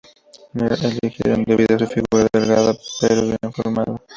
La eligieron debido a su figura delgada pero bien formada.